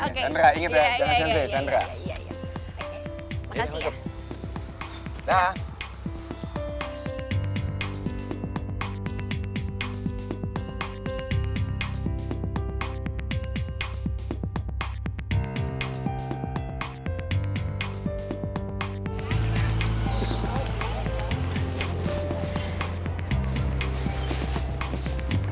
chandra inget ya jangan chandra ya chandra